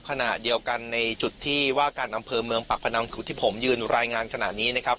ขณะเดียวกันในจุดที่ว่าการอำเภอเมืองปากพนังจุดที่ผมยืนรายงานขณะนี้นะครับ